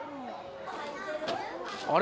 あれ？